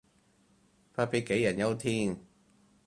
不必杞人憂天